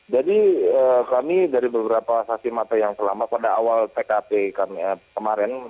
jadi kami dari beberapa saksi mata yang selamat pada awal pkp kami kemarin